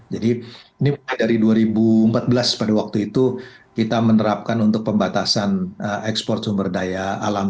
jadi ini dari dua ribu empat belas pada waktu itu kita menerapkan untuk pembatasan ekspor sumber daya alam